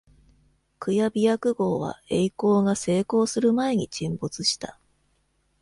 クヤヴィアク号は曳航が成功する前に沈没した。